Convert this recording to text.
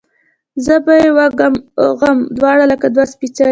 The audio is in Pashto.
زه به یې وږم اوږغ دواړه لکه دوه سپیڅلي،